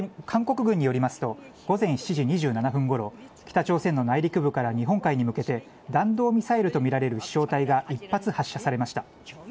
韓国軍によりますと、午前７時２７分ごろ、北朝鮮の内陸部から日本海に向けて、弾道ミサイルと見られる飛しょう体が１発発射されました。